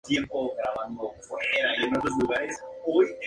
Tom logra pelear contra los dos hombres y escapar de regreso a la granja.